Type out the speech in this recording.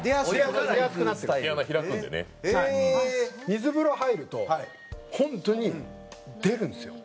水風呂入ると本当に出るんですよ。